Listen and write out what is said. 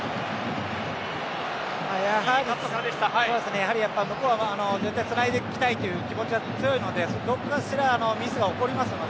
やはり向こうは全体でつないでいきたいという気持ちは強いのでどこかしらでミスが起こりますので。